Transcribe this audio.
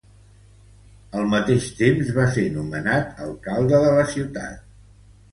Al mateix temps, va ser nomenat alcalde de la ciutat.